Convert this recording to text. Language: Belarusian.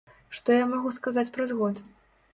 Што я магу сказаць праз год?